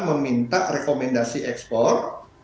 meminta rekomendasi ekspor